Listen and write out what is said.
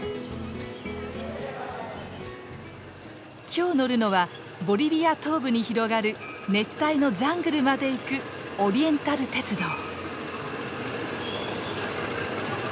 今日乗るのはボリビア東部に広がる熱帯のジャングルまで行くオリエンタル鉄道。